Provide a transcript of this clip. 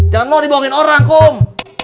jangan mau dibohongin orang kok